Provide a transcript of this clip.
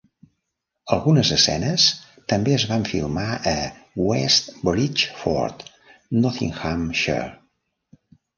Algunes escenes també es van filmar a West Bridgford, Nottinghamshire.